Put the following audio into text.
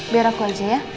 biar aku aja ya